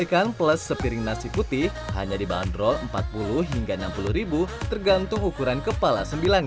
ikan plus sepiring nasi putih hanya dibanderol empat puluh hingga enam puluh tergantung ukuran kepala sembilan